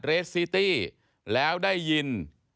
สซิตี้แล้วได้ยิน